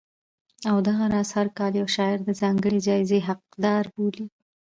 او دغه راز هر کال یو شاعر د ځانګړې جایزې حقدار بولي